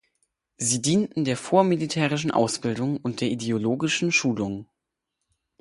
Sie dienten der vormilitärischen Ausbildung und der ideologischen Schulung.